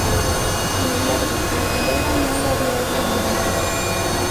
Sin embargo, Aguilera no lo había hecho público.